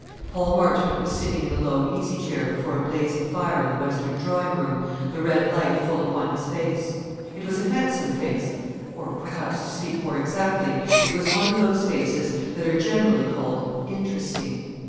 Paul Marchmont was sitting in a low easy chair before a blazing fire in the western drawing room, the red light full upon his face. It was a handsome face, or perhaps, to speak more exactly, it was one of those faces that are generally called "interesting."